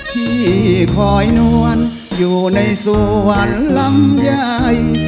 ที่คอยนวลอยู่ในสวรรค์ลำไย